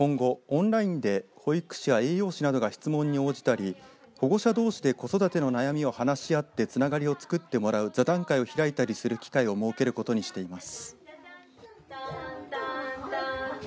また今後オンラインで保育士や栄養士などが質問に応じたり保護者どうしで子育ての悩みを話し合ってつながりをつくってもらう座談会を開いたりする機会を設けることにしています。